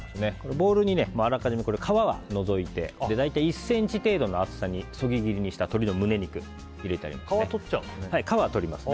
ボウルにあらかじめ皮は除いて大体１ｃｍ程度の厚さにそぎ切りにした鶏の胸肉を入れてありますね。